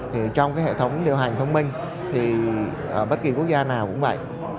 trong hệ thống điều hành thông minh bất kỳ quốc gia nào cũng vậy